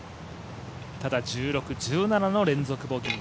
ただ１６、１７の連続ボギー。